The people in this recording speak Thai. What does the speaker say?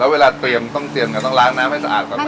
เวลาเตรียมต้องเตรียมกันต้องล้างน้ำให้สะอาดก่อน